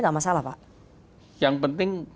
nggak masalah pak yang penting